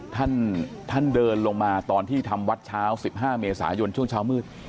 ท่านเดินลงมาตอนที่ทำวัดเช้า๑๕เมษายนช่วงเช้ามืด